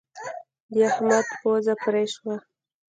د احمد پزه پرې شوه.